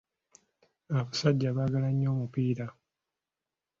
Abasajja baagala nnyo omupiira.